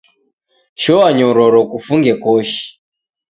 Shoa nyororo kufunge koshi